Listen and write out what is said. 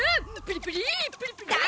プリプリプリプリ！